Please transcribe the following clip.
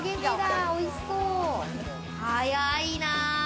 早いな！